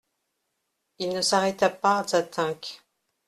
Il ne s'arrêta pas à Tinques.